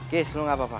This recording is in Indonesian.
kes lu gak apa apa